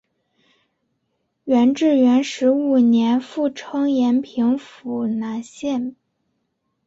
元至元十五年复称延平府南平县。